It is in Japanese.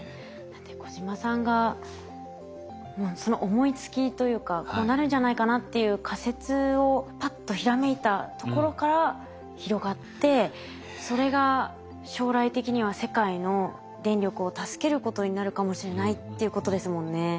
だって小島さんがその思いつきというかこうなるんじゃないかなっていう仮説をパッとひらめいたところから広がってそれが将来的には世界の電力を助けることになるかもしれないっていうことですもんね。